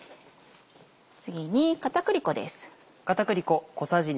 次に片栗粉です。